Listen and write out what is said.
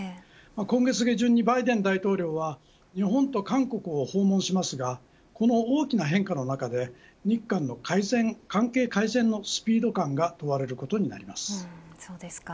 今月下旬にバイデン大統領は日本と韓国を訪問しますがこの大きな変化の中で日韓の関係改善のスピード感が問われることになります。